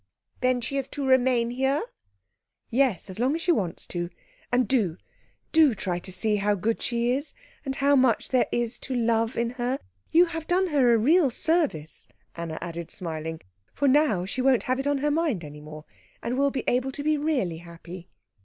"Then she is to remain here?" "Yes, as long as she wants to. And do, do try to see how good she is, and how much there is to love in her. You have done her a real service," Anna added, smiling, "for now she won't have it on her mind any more, and will be able to be really happy."